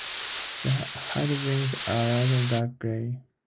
The hindwings are rather dark grey.